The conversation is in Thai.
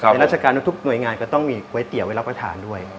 ราชการทุกหน่วยงานก็ต้องมีก๋วยเตี๋ยวไว้รับประทานด้วย